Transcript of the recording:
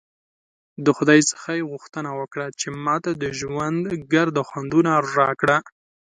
د خدای څخه ېې غوښتنه وکړه چې ماته د ژوند ګرده خوندونه راکړه!